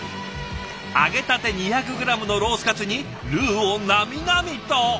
揚げたて２００グラムのロースカツにルーをなみなみと！